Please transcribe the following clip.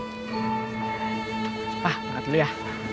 ah berangkat dulu ya